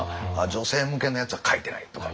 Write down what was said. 女性向けのやつは書いてないとか。